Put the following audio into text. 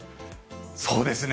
そうですね。